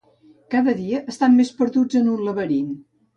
Cada dia estan més perduts en un laberint.